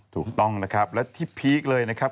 ถูกต้องนะครับและที่พีคเลยนะครับ